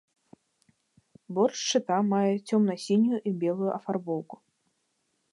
Борт шчыта мае цёмна-сінюю і белую афарбоўку.